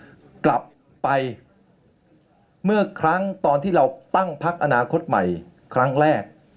โดยมีวัตถุประสงค์กลับไปเมื่อครั้งตอนที่เราตั้งพักอนาคตใหม่ครั้งแรก